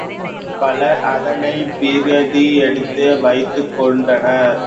பலர் அதனைப் பிரதி எடுத்து வைத்துக் கொண்டார்கள்.